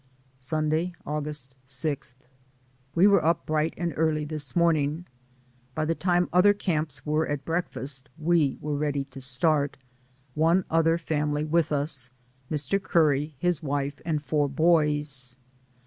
Sunday, August 6. We were up bright and early this morn ing. By the time other camps were at break fast we were ready to start, one other fam ily with us, Mr. Curry, his wife and four boys.